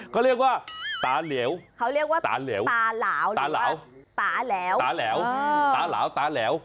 เขาเรียกว่าตาเหลวตาเหลวตาเหลวตาเหลวตาเหลวตาเหลวตาเหลวตาเหลวตาเหลว